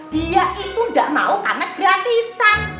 dia itu tidak mau karena gratisan